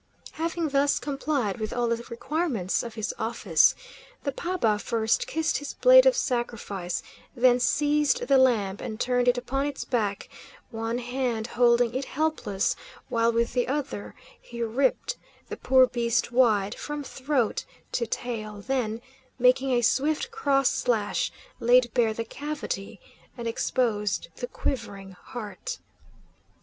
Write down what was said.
Having thus complied with all the requirements of his office, the paba first kissed his blade of sacrifice, then seized the lamb and turned it upon its back, one hand holding it helpless while with the other he ripped the poor beast wide from throat to tail, then, making a swift cross slash, laid bare the cavity and exposed the quivering heart.